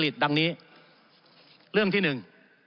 ฯฤดลินาตาแบบนี้เรื่องที่หนึ่ง